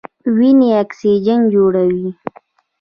ونې اکسیجن جوړوي.